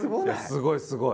すごいすごい。